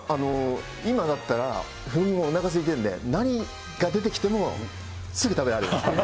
今だったら、おなかすいてんで、何が出てきてもすぐ食べられる。